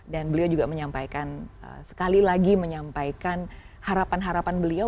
dan beliau juga menyampaikan sekali lagi menyampaikan harapan harapan beliau